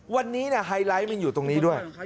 วันนี้ไฮไลท์มันอยู่ตรงนี้ด้วย